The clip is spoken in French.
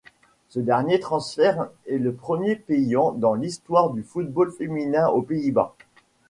Ce dernier transfert est le premier payant dans l'histoire du football féminin aux Pays-Bas.